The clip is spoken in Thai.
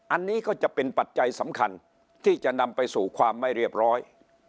อันนี้ก็จะเป็นปัจจัยสำคัญที่จะนำไปสู่ความไม่เรียบร้อย